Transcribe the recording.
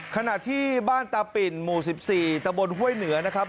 ขณะที่บ้านตาปิ่นหมู่๑๔ตะบนห้วยเหนือนะครับ